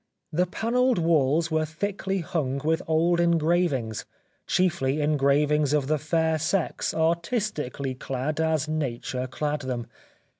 The panelled walls were thickly hung with old engravings — chiefly en gravings of the fair sex artistically clad as nature clad them.